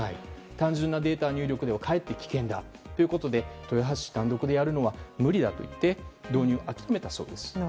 単純なデータ入力ではかえって危険ということで豊橋市単独でやるのは無理だといって導入を諦めたそうです。